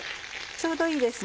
ちょうどいいです。